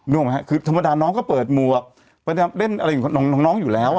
นึกออกม้ะคือธรรมดาน้องก็เปิดมุวอะ